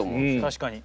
確かに。